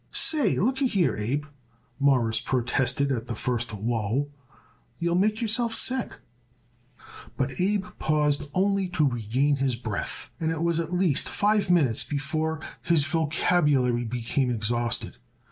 "Say, lookyhere, Abe," Morris protested at the first lull, "you'll make yourself sick." But Abe paused only to regain his breath, and it was at least five minutes more before his vocabulary became exhausted.